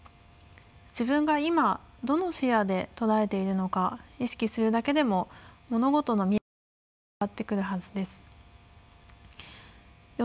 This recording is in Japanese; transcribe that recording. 自分が今どの視野で捉えているのか意識するだけでも物事の見え方は変わってくるはずです。